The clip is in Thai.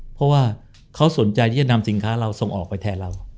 เพราะว่าเขาสนใจที่จะนำสินค้าเราส่งออกไปแทนเรา